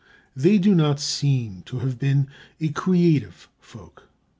They do not seem to have been a creative folk.